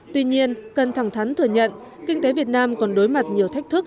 tuy nhiên cần thẳng thắn thừa nhận kinh tế việt nam còn đối mặt nhiều thách thức